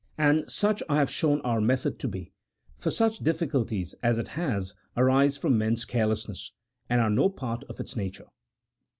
And such I have shown our method to be, for such difficulties as it has arise from men's carelessness, and are no part of its nature.